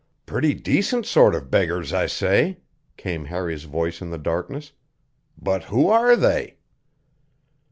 "Pretty decent sort of beggars, I say," came Harry's voice in the darkness. "But who are they?"